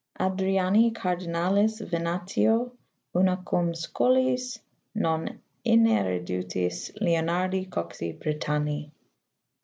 2. Adriani Cardinalis Venatio, una cum Scholiis non ineruditis Leonardi Coxi Britanni.